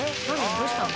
どうしたの？